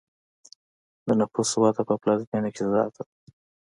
د نفوسو وده په پلازمینه کې زیاته ده.